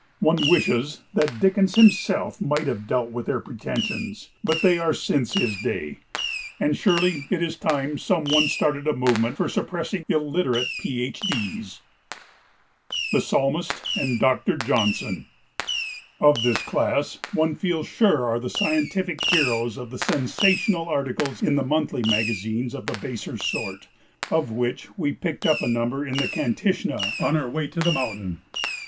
One wishes that Dickens himself might have dealt with their pretensions, but they are since his day. And surely it is time some one started a movement for suppressing illiterate Ph.D.'s. [Sidenote: The Psalmist and Dr. Johnson] Of this class, one feels sure, are the scientific heroes of the sensational articles in the monthly magazines of the baser sort, of which we picked up a number in the Kantishna on our way to the mountain.